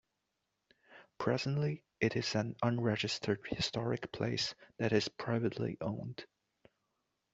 Presently, it is an unregistered historic place that is privately owned.